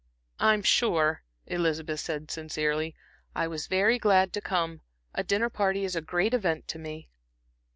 "I'm sure," Elizabeth said sincerely, "I was very glad to come. A dinner party is a great event to me."